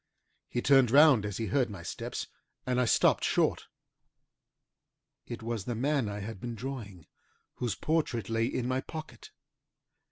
He turned round as he heard my steps and I stopped short. It was the man I had been drawing, whose portrait lay in my pocket.